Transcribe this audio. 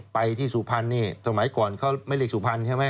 ไปที่สุพรรณนี่สมัยก่อนเขาไม่เรียกสุพรรณใช่ไหม